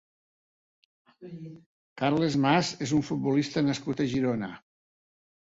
Carles Mas és un futbolista nascut a Girona.